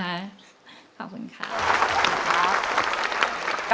ขอบคุณค่ะจริงครับฝืนไปเดี๋ยวกัน